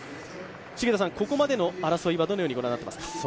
ここまでの争いはどのように御覧になっていますか？